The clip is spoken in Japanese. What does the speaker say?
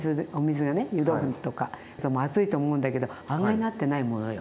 湯豆腐とか熱いと思うんだけど案外なってないものよ。